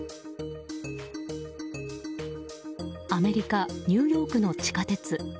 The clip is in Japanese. アメリカ・ニューヨークの地下鉄。